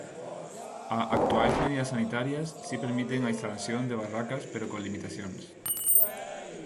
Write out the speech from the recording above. A actuais medidas sanitarias si permiten a instalación de barracas pero con limitacións.